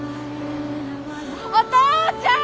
お父ちゃん！